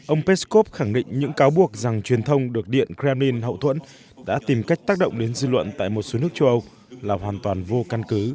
ông peskov khẳng định những cáo buộc rằng truyền thông được điện kremlin hậu thuẫn đã tìm cách tác động đến dư luận tại một số nước châu âu là hoàn toàn vô căn cứ